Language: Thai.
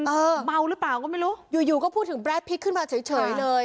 เมาหรือเปล่าก็ไม่รู้อยู่อยู่ก็พูดถึงแรดพลิกขึ้นมาเฉยเฉยเลย